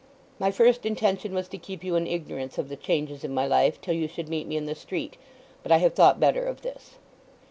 My first intention was to keep you in ignorance of the changes in my life till you should meet me in the street; but I have thought better of this.